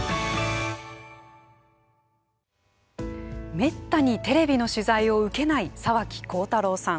めったにテレビの取材を受けない沢木耕太郎さん。